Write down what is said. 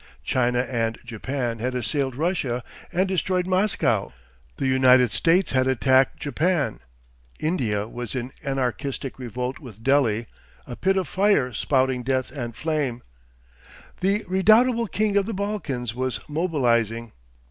China and Japan had assailed Russia and destroyed Moscow, the United States had attacked Japan, India was in anarchistic revolt with Delhi a pit of fire spouting death and flame; the redoubtable King of the Balkans was mobilising.